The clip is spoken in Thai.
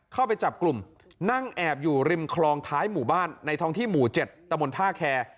เข้าไปจับกลุ่มนั่งแอบอยู่ริมคลองท้ายหมู่บ้านในท้องที่หมู่๗ตะมนต์ท่าแคร์